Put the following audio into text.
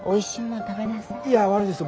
いや悪いですよ